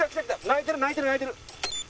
鳴いてる鳴いてる鳴いてる！